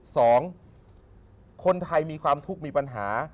สองคนไทยมีความทุกข์มีปัญหา